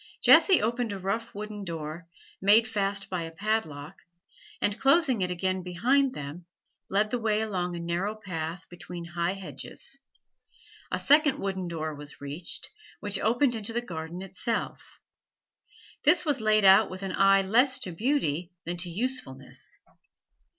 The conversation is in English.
Jessie opened a rough wooden door, made fast by a padlock, and, closing it again behind them, led the way along a narrow path between high hedges, a second wooden door was reached, which opened into the garden itself. This was laid out with an eye less to beauty than to usefulness.